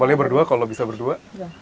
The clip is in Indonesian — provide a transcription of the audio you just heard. boleh berdua kalau bisa berdua